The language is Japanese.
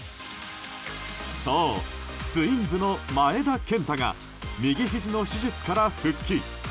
そう、ツインズの前田健太が右ひじの手術から復帰。